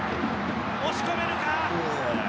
押し込めるか？